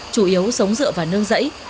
chủ yếu sống dựa và nương dẫy